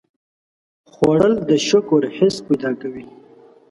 خوړل د شکر حس پیدا کوي